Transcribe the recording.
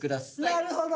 なるほど！